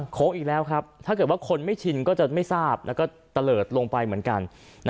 อีกแล้วครับถ้าเกิดว่าคนไม่ชินก็จะไม่ทราบแล้วก็ตะเลิศลงไปเหมือนกัน